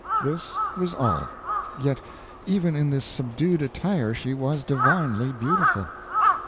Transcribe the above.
This was all; yet even in this subdued attire she was divinely beautiful.